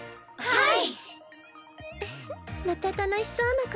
はい！